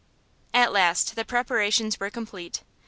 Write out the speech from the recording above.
At last the preparations were complete.